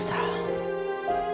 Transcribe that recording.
dan sekarang saya menyesal